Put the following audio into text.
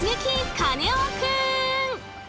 カネオくん！